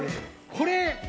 これ。